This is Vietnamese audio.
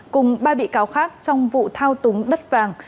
cùng ba bị cáo khác trong vụ thao túng đất vàng